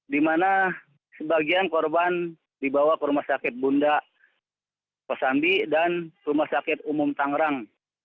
di mana sebagian korban dibawa ke rumah sakit bunda kosambi dan rumah sakit umum tangerang